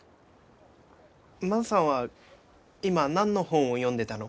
万さんは今何の本を読んでたの？